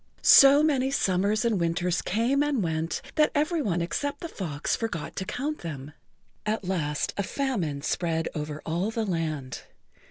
So many summers and winters came and went that every one except the fox forgot to count them. At last a famine spread over all the land.